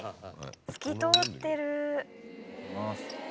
透き通ってる。